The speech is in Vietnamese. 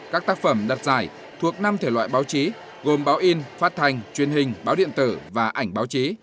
các tác phẩm đặt giải thuộc năm thể loại báo chí gồm báo in phát thanh truyền hình báo điện tử và ảnh báo chí